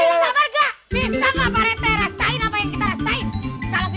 bisa pak rete rasain apa yang kita rasain